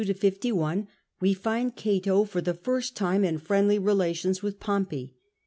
52]. In B.C. 52 51 we find Cato for the first time in friendly relations with Pompey.